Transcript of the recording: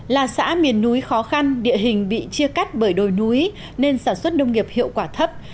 là xã miền núi khó khăn địa hình bị chia cắt bởi đồi núi nên sản xuất nông nghiệp hiệu quả thấp